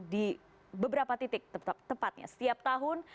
di beberapa titik tepatnya setiap tahun